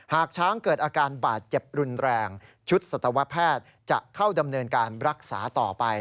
หากช้างเกิดอาการบาดเจ็บรุนแรงชุดสัตวแพทย์จะเข้าดำเนินการรักษาต่อไป